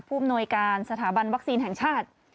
อำนวยการสถาบันวัคซีนแห่งชาติ